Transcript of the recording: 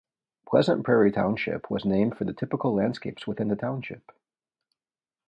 Pleasant Prairie Township was named for the typical landscapes within the township.